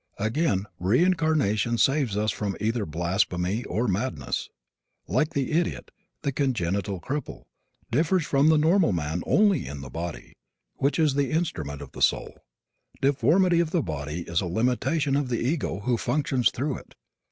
Again reincarnation saves us from either blasphemy or madness. The idiot, like the congenital cripple, differs from the normal man only in the body, which is the instrument of the soul. Deformity of the body is a limitation of the ego who functions through it.